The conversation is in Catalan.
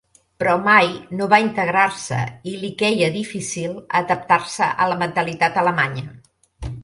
Però mai no va integrar-se i li queia difícil adaptar-se a la mentalitat alemanya.